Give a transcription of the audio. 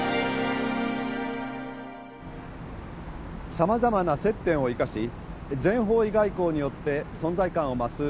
さまざまな接点を生かし全方位外交によって存在感を増すトルコ。